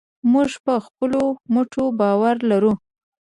موږ په خپلو مټو باور لرو.